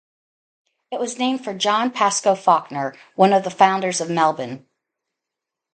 It was named for John Pascoe Fawkner, one of the founders of Melbourne.